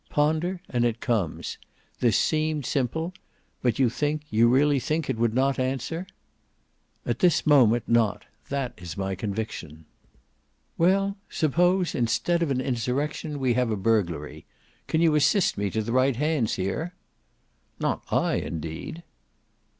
"Ponder and it comes. This seemed simple; but you think, you really think it would not answer?" "At this moment, not; that is my conviction." "Well suppose instead of an insurrection we have a burglary. Can you assist me to the right hands here?" "Not I indeed!"